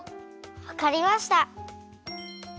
わかりました！